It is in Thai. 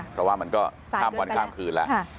เพราะว่ามันก็ข้ามวันข้ามคืนแล้ว